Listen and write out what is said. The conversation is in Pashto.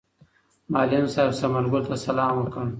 معلم صاحب ثمر ګل ته سلام وکړ.